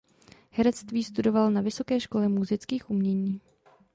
Herectví studoval na Vysoké škole múzických umění.